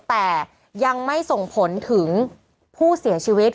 แต่ยังไม่ส่งผลถึงผู้เสียชีวิต